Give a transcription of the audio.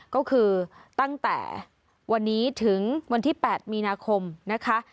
ก็คือตั้งแต่วันนี้ถึงวันที่๘มีนาคมนะคะ